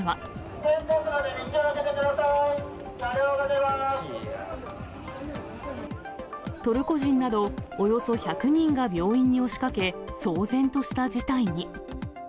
危険ですので、道をあけてくトルコ人など、およそ１００人が病院に押しかけ、騒然とした事態に。